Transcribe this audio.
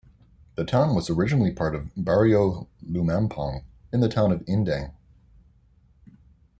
The town was originally part of Barrio Lumampong in the town of Indang.